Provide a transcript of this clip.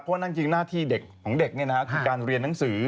เพราะว่านั่นจริงหน้าที่ของเด็กเนี่ยนะครับคือการเรียนหนังสือ